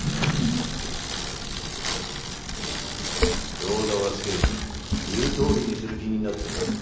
・どうだ和助言うとおりにする気になったか？